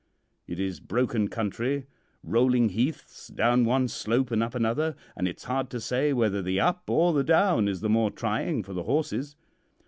It is broken country, rolling heaths, down one slope and up another, and it's hard to say whether the up or the down is the more trying for the horses.